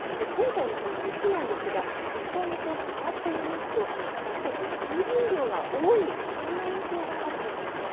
今回の雪なんですが実際に触ってみますと結構、水分量が多いそんな印象があります。